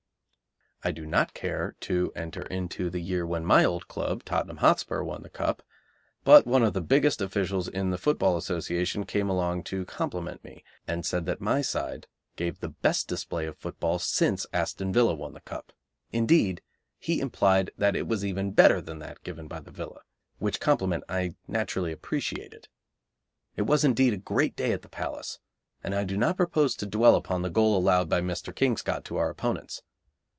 I do not care to enter into the year when my old club, Tottenham Hotspur, won the Cup, but one of the biggest officials in the Football Association came along to compliment me, and said that my side gave the best display of football since Aston Villa won the Cup indeed, he implied that it was even better than that given by the Villa, which compliment I naturally appreciated. It was indeed a great day at the Palace, and I do not propose to dwell upon the goal allowed by Mr. Kingscott to our opponents.